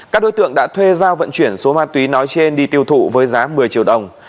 các đối tượng đã thuê giao vận chuyển số ma túy nói trên đi tiêu thụ với giá một mươi triệu đồng